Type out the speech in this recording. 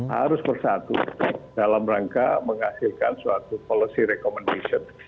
harus bersatu dalam rangka menghasilkan suatu policy recommendation